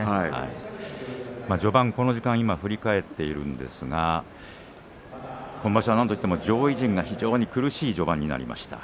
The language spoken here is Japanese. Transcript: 序盤を振り返っているんですが今場所はなんと言っても上位陣が非常に苦しい序盤になりました。